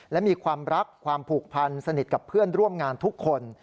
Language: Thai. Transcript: และมีความรักความผูกพันสนิทกับเพื่อนร่วมงานทุกคน